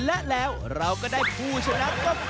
และแล้วเราก็ได้ผู้ชนะก็คือคนคนนี้นี่แหละครับ